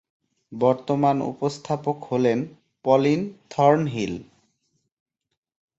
বর্তমান উপস্থাপক হলেন পলিন থর্নহিল।